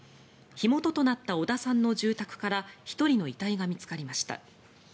火元となった小田さんの住宅から１人の遺体が見つかりました。